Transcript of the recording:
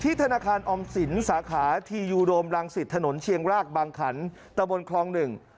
ที่ธนาคารออมศิลป์สาขาที่อยู่โดมรังศิษฐ์ถนนเชียงรากบางขันตะบนคลองหนึ่ง